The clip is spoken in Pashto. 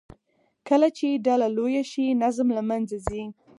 کله چې ډله لویه شي، نظم له منځه ځي.